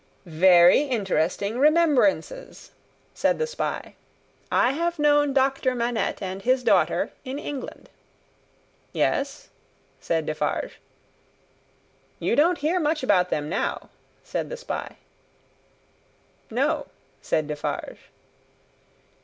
"Very interesting remembrances!" said the spy. "I have known Doctor Manette and his daughter, in England." "Yes?" said Defarge. "You don't hear much about them now?" said the spy. "No," said Defarge.